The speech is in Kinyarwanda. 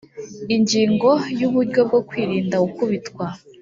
ingingo ya uburyo bwo kwirinda gukubitwa